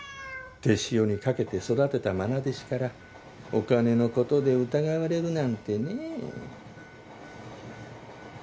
手塩にかけて育てた愛弟子からお金の事で疑われるなんてねえ。